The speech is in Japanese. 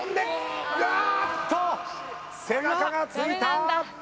背中がついた。